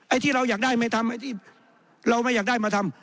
ที่เราอยากได้ไม่ทำไอ้ที่เราไม่อยากได้มาทำ